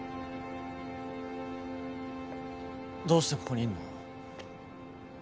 どうしてここにいんの？